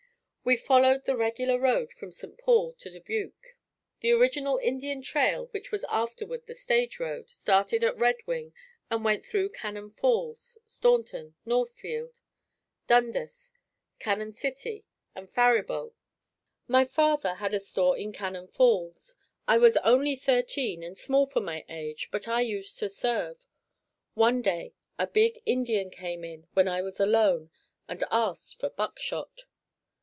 We followed the regular road from St. Paul to Dubuque. The original Indian trail which was afterward the stage road, started at Red Wing and went through Cannon Falls, Staunton, Northfield, Dundas, Cannon City to Faribault. My father had a store in Cannon Falls. I was only thirteen and small for my age but I used to serve. One day a big Indian came in when I was alone and asked for buckshot.